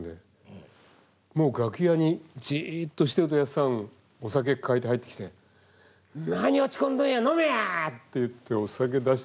もう楽屋にじっとしてるとやっさんお酒抱えて入ってきて「何落ち込んどるんや飲めや」って言ってお酒出してくださって。